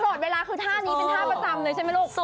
ตลอดเวลาคือท่านี้เป็นท่าประจำเลยใช่ไหมลูก